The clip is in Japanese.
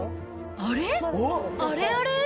あれあれ？